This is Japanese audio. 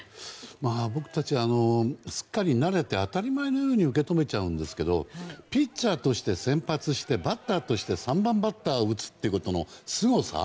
僕たち、すっかり慣れて当たり前のように受け止めちゃうんですけどピッチャーとして先発してバッターとして３番バッターを打つということのすごさ。